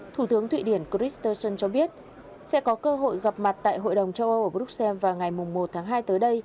thủ tướng thụy điển christensen cho biết sẽ có cơ hội gặp mặt tại hội đồng châu âu ở bruxelles vào ngày một tháng hai tới đây